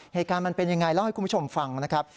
เหตุการณ์มันเป็นยังไงเล่าให้คุณผู้ชมฟังนะครับ